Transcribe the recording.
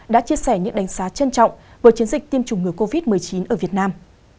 đã chia sẻ những đánh giá trân trọng với chiến dịch tiêm chủng ngừa covid một mươi chín ở việt nam